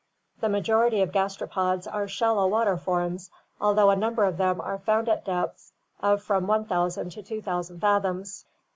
The majority of gastropods are shallow water forms, although a number of them are found at depths of from 1000 to 2000 fathoms.